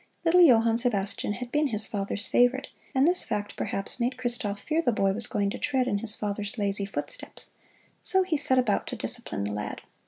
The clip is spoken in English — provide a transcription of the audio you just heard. Little Johann Sebastian had been his father's favorite, and this fact perhaps made Christoph fear the boy was going to tread in his father's lazy footsteps. So he set about to discipline the lad.